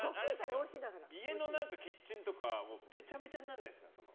家のキッチンとかべちゃべちゃにならないですか？